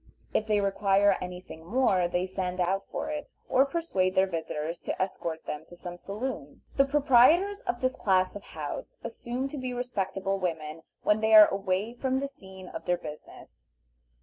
If they require any thing more they send out for it, or persuade their visitors to escort them to some saloon. The proprietors of this class of houses assume to be respectable women when they are away from the scenes of their business.